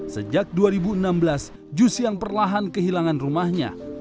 sejak dua ribu enam belas jusyang perlahan kehilangan rumahnya